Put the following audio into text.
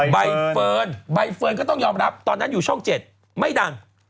ใบเฟิร์นใบเฟิร์นก็ต้องยอมรับตอนนั้นอยู่ช่อง๗ไม่ดัง